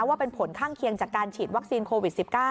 ว่าเป็นผลข้างเคียงจากการฉีดวัคซีนโควิด๑๙